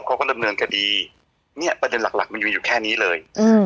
เขาก็เริ่มเนินคดีเนี่ยประเด็นหลักมันอยู่แค่นี้เลยอืม